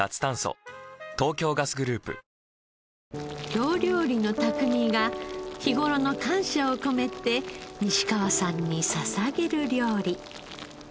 京料理の匠が日頃の感謝を込めて西川さんに捧げる料理。